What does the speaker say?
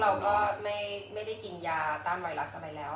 เราก็ไม่ได้กินยาต้านไวรัสสมัยแล้ว